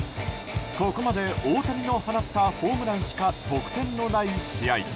ここまで大谷の放ったホームランしか得点のない試合。